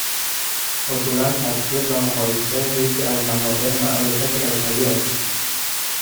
اصولاً تطبیق و مقایسه یکی از منابع معرفت بشری است